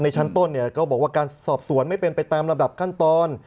ชั้นต้นเนี่ยก็บอกว่าการสอบสวนไม่เป็นไปตามระดับขั้นตอน